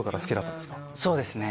そうですね